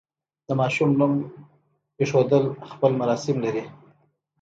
د ماشوم نوم ایښودل خپل مراسم لري.